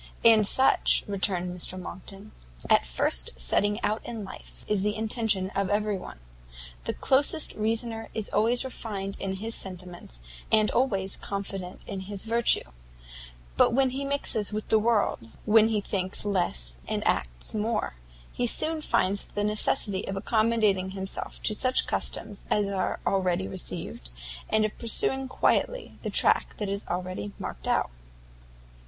"And such," returned Mr Monckton, "at first setting out in life, is the intention of every one. The closet reasoner is always refined in his sentiments, and always confident in his virtue; but when he mixes with the world, when he thinks less and acts more, he soon finds the necessity of accommodating himself to such customs as are already received, and of pursuing quietly the track that is already marked out."